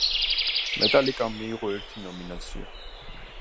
მეტალიკამ მიიღო ერთი ნომინაცია.